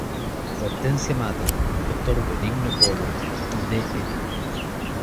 Hortensia Mata, Dr. Benigno Polo, Dn.